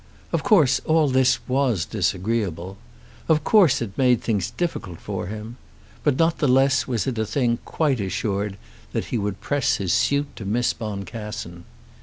Of course all this was disagreeable. Of course it made things difficult for him. But not the less was it a thing quite assured that he would press his suit to Miss Boncassen.